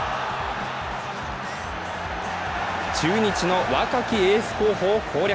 中日の若きエース候補を攻略。